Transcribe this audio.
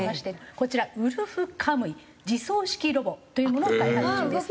こちらウルフカムイ自走式ロボというものを開発中です。